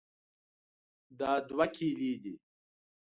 دا دوه کیلې دي.